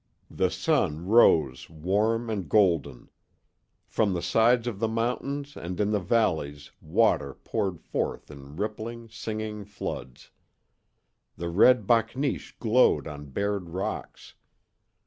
The sun rose warm and golden. From the sides of the mountains and in the valleys water poured forth in rippling, singing floods. The red bakneesh glowed on bared rocks.